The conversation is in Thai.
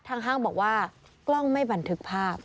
ห้างบอกว่ากล้องไม่บันทึกภาพ